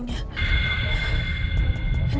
ini kalau semuanya tahu